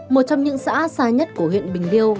một trong những xã xa nhất của huyện bình liêu